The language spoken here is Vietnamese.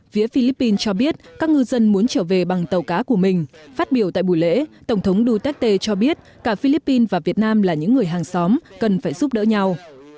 phía philippines cho biết các ngư dân muốn trở về bằng tàu cá của mình phát biểu tại buổi lễ tổng thống duterte cho biết cả philippines và việt nam là những người hàng xóm cần phải giúp đỡ nhau